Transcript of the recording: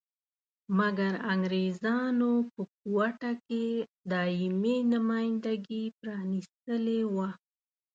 مګر انګریزانو په کوټه کې دایمي نمایندګي پرانیستلې وه.